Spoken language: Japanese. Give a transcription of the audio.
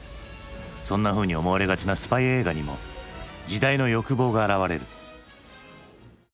そんなふうに思われがちなスパイ映画にも時代の欲望が現れる。